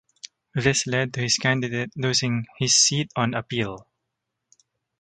This led to his candidate losing his seat on appeal.